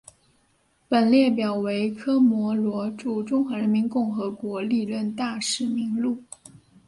本列表为科摩罗驻中华人民共和国历任大使名录。